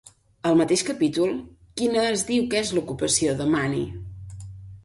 Al mateix capítol, quina es diu que és l'ocupació de Máni?